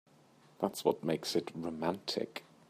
That's what makes it romantic.